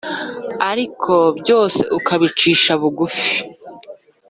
aliko byose ukabicisha bugufi